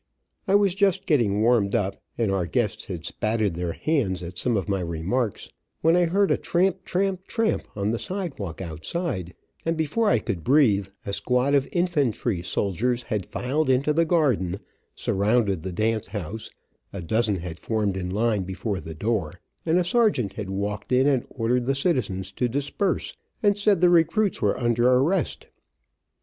I was just getting warmed up, and our guests had spatted their hands at some of my remarks, when I heard a tramp, tramp, tramp on the sidewalk outside, and before I could breathe a squad of infantry soldiers had filed into the garden, surrounded the dance house, a dozen had formed in line before the door, and a sergeant had walked in and ordered the citizens to disperse, and said the recruits were under arrest.